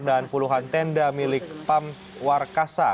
dan puluhan tenda milik pams warkasa